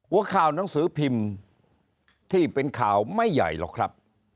หัวข่าวหนังสือพิมพ์ที่เป็นข่าวไม่ใหญ่หรอกครับ